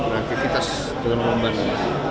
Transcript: nah kayak gitu kasus lebih mantan sekali